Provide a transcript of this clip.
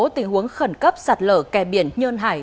tình huống khẩn cấp sạt lở kè biển nhơn hải